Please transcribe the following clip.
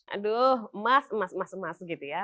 aduh emas emas emas emas gitu ya